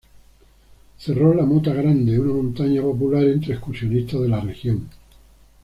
Cerro La Mota Grande, una montaña popular entre excursionistas de la región.